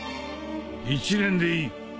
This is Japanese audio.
１年でいい。